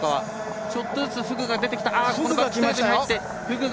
ちょっとずつフグが出てきました。